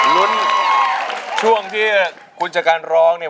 ลุ้นช่วงที่คุณชะกันร้องเนี่ย